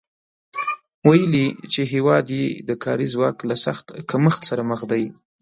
ویلي چې هېواد یې د کاري ځواک له سخت کمښت سره مخ دی